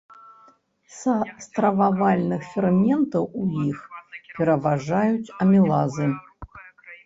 Са стрававальных ферментаў у іх пераважаюць амілазы.